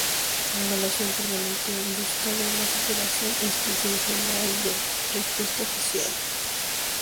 Evaluación permanente en búsqueda de una superación institucional y de mayor respuesta social.